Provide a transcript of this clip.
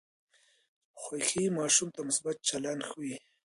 خوښي ماشوم ته مثبت چلند ښووي.